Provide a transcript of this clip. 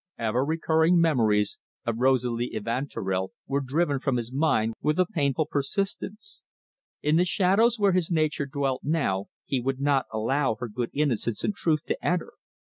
Ever recurring memories of Rosalie Evanturel were driven from his mind with a painful persistence. In the shadows where his nature dwelt now he would not allow her good innocence and truth to enter.